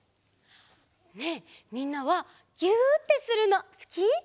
ねえみんなはぎゅってするのすき？